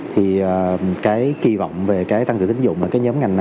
thì cái kỳ vọng về các